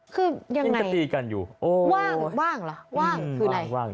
คือยังไงว่างหรอว่างคือไหน